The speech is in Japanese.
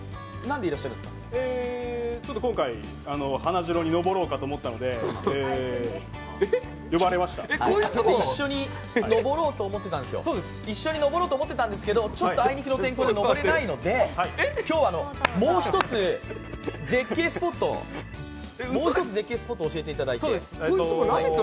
ちょっと今回、華城に登ろうかと思ったので一緒に登ろうと思ってたんですけど、ちょっとあいにくの天候で登れないので今日、もう一つ絶景スポット、教えていただいて。